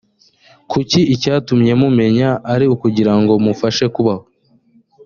kuko icyatumye mumenya ari ukugira ngo mufashe kubaho